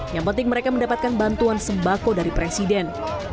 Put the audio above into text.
yang penting mereka mendapatkan bantuan sembako dari presiden